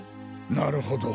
なるほど。